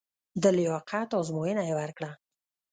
د لیاقت ازموینه یې ورکړه.